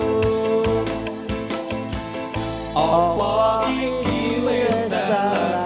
rapi ruang dia